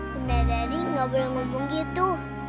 bunda dari tidak boleh berbicara begitu